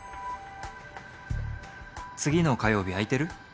「次の火曜日空いてる？